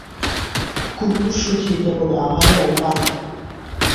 কুকুর সুখী কেবল আহারে ও পানে।